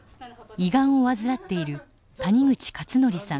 胃がんを患っている谷口勝徳さん。